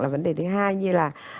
là vấn đề thứ hai như là